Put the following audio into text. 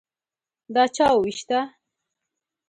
_دا چا ووېشته؟